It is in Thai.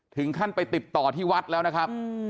ถึงขั้นไปติดต่อที่วัดแล้วนะครับ